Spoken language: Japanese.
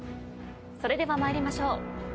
それでは参りましょう。